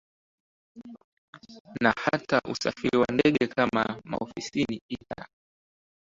na hata usafiri wa ndege kama maofisini ita